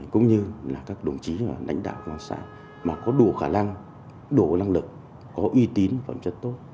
cũng như là các đồng chí là lãnh đạo công an xã mà có đủ khả năng đủ lăng lực có uy tín và chất tốt